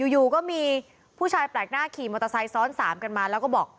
อยู่ก็มีผู้ชายแปลกหน้าขี่มอเตอร์ไซค์ซ้อน๓กันมาแล้วก็บอก